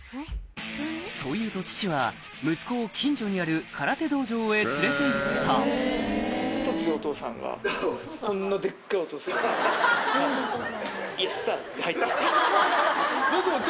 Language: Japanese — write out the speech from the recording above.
そう言うと父は息子を近所にある空手道場へ連れて行ったって入って来て。